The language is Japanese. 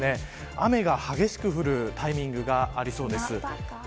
雨が激しく降るタイミングがありそうです。